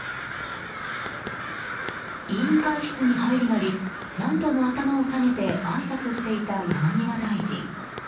委員会室に入るなり何度も頭を下げてあいさつしていた山際大臣。